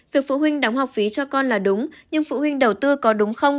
việc phụ huynh đóng học phí cho con là đúng nhưng phụ huynh đầu tư có đúng không